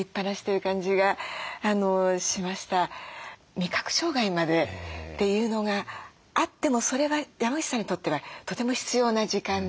味覚障害までというのがあってもそれは山口さんにとってはとても必要な時間でっていうのがね